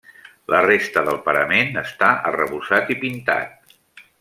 La resta del parament està arrebossat i pintat.